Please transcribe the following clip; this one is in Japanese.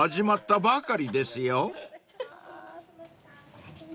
お先に。